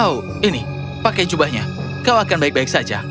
oh ini pakai jubahnya kau akan baik baik saja